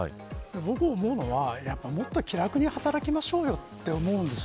僕が思うのはもっと気楽に働きましょうよと思うんです。